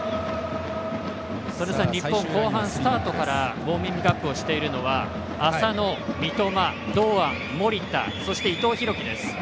日本、後半スタートからウォーミングアップしているのは浅野、三笘、堂安、守田そして伊藤洋輝です。